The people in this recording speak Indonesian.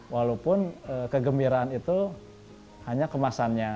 walaupun kegembiraan itu hanya kemasannya